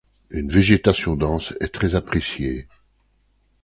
Une végétation dense est très appréciée.